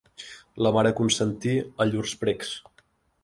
La mare consentí a llurs precs.